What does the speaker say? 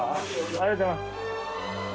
ありがとうございます。